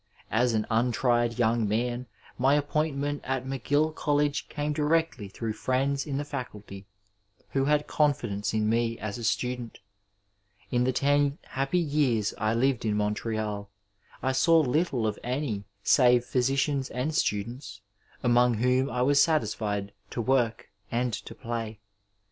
As an untried young man my appoint ment at McGill Ck)llege came directly through friends in the faculty who had confidence in me as a student. In the ten happy years I lived in Montreal I saw little of any save ph}rsicians and students, among whom I was satisfied to work — ^and to play.